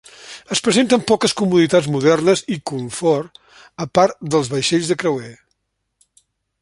Es presenten poques comoditats modernes i confort, a part dels vaixells de creuer.